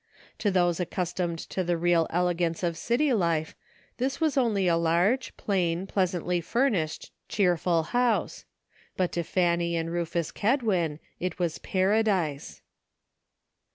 To those accustomed to the real elegance of city life this was only a large, plain, pleasantly furnished, cheerful house ; but to Fanny and Rufus Kedwin it was paradise.